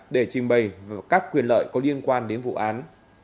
để trình bày các quyền lợi có liên quan đến vụ án